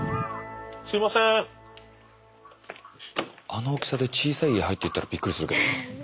あの大きさで小さい家入っていったらびっくりするけどね。